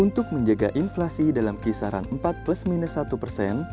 untuk menjaga inflasi dalam kisaran empat plus minus satu persen